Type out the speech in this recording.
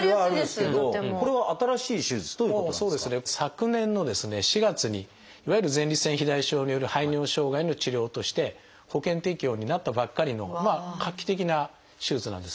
昨年のですね４月にいわゆる前立腺肥大症による排尿障害の治療として保険適用になったばっかりの画期的な手術なんです。